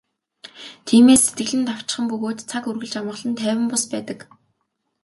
Тиймээс сэтгэл нь давчхан бөгөөд цаг үргэлж амгалан тайван бус байдаг.